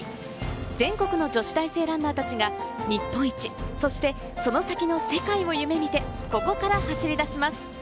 全国の女子大生ランナーたちが日本一、そしてその先の世界を夢見て、ここから走り出します。